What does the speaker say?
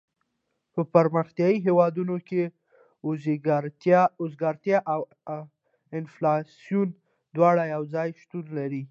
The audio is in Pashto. په پرمختیایي هېوادونو کې اوزګارتیا او انفلاسیون دواړه یو ځای شتون لري.